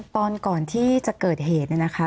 ตอนก่อนที่จะเกิดเหตุเนี่ยนะคะ